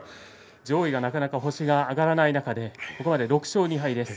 上位がなかなか星が挙がらない中でここまで６勝２敗です。